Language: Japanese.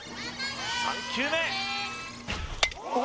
３球目！